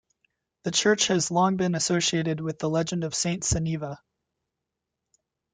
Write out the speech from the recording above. The church has long been associated with the legend of Saint Sunniva.